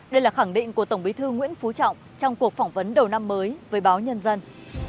đây là khẳng định của tổng bí thư nguyễn phú trọng trong cuộc phỏng vấn đầu năm mới với báo nhân dân